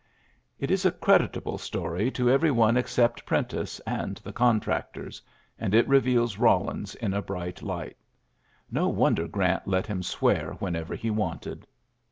GEANT It is a creditable story to every one eic cept Prentiss and the contractors ; and it reveals Eawlins in a bright light, ^o wonder Orant let him swear whenever he wanted.